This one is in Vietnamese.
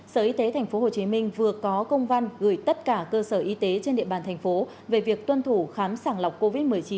sở y tế tp hcm vừa có công văn gửi tất cả cơ sở y tế trên địa bàn thành phố về việc tuân thủ khám sàng lọc covid một mươi chín